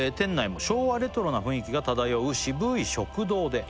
「昭和レトロな雰囲気が漂う渋い食堂で」